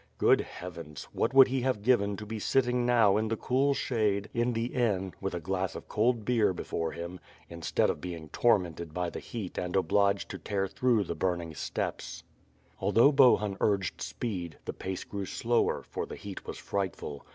Good Heavens! what would he have given to be sitting now in the cool shade, in the inn, with a glass of cold beer before hirn, instead of being tormented by the heat and obliged to tear through the burning steppes. Although Bohun urged speed, the pace grew slower, for the heat was frightful.